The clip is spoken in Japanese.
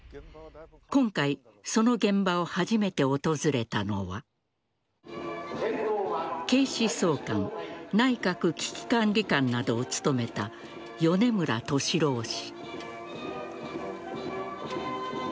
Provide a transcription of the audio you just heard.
今回その現場を初めて訪れたのは警視総監内閣危機管理監などを務めた米村敏朗氏。